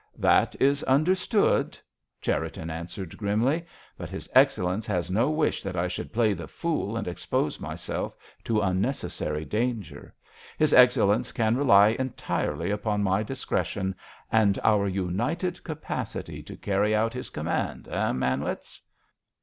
"That is understood," Cherriton answered grimly. "But His Excellenz has no wish that I should play the fool and expose myself to unnecessary danger. His Excellenz can rely entirely upon my discretion—and our united capacity to carry out his command, eh, Manwitz?"